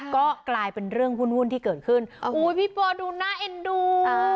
ก็กลายเป็นเรื่องวุ่นที่เกิดขึ้นอุ้ยพี่ปอดูน่าเอ็นดู